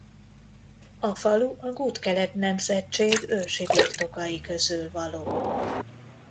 A falu a Gutkeled nemzetség ősi birtokai közül való.